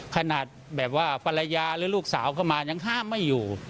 ขนาดแบบว่าภรรยาหรือลูกสาวเข้ามายังห้ามไม่อยู่